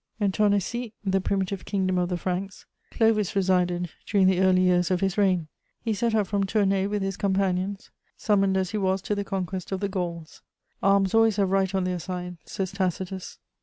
In Tournaisis, the primitive kingdom of the Franks, Clovis resided during the early years of his reign; he set out from Tournay with his companions, summoned as he was to the conquest of the Gauls: "Arms always have right on their side," says Tacitus.